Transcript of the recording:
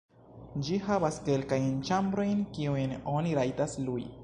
Ĝi havas kelkajn ĉambrojn, kiujn oni rajtas lui.